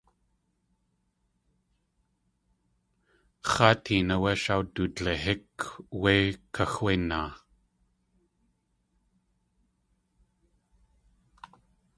X̲áat teen áwé shawdudlihík wé kaxwénaa.